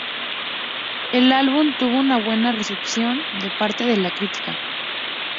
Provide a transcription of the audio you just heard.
El álbum tuvo una buena recepción de parte de la crítica.